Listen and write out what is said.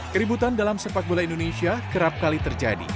keributan dalam sepak bola indonesia kerap kali terjadi